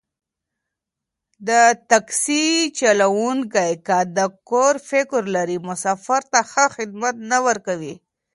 د تاکسي چلوونکی که د کور فکر لري، مسافر ته ښه خدمت نه ورکوي.